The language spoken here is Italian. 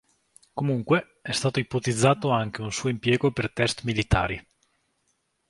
Comunque, è stato ipotizzato anche un suo impiego per test militari.